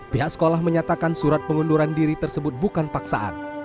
pihak sekolah menyatakan surat pengunduran diri tersebut bukan paksaan